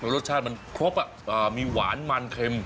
รสชาติมันครบมีหวานมันเค็ม